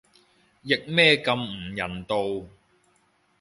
譯咩咁唔人道